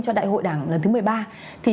cho đại hội đảng lần thứ một mươi ba